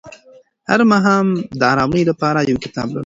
هر ماښام د ارامۍ لپاره یو کتاب لولم.